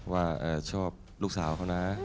ว่าชอบลูกสาวเขานะ